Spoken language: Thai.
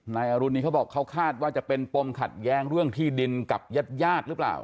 นายอรุณีเขาบอกเขาคาดว่าจะเป็นปมขัดแย้งเรื่องที่ดินกับญาติญาติหรือเปล่า